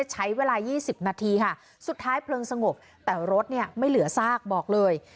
ใช้เวลา๒๐นาทีค่ะสุดท้ายเพลิงสงบแต่รถเนี่ยไม่เหลือซากบอกเลย